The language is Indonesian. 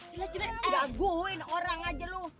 jelajahnya ngaguin orang aja lu